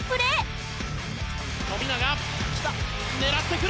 実況：富永、狙ってくる！